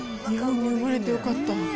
日本に生まれてよかった。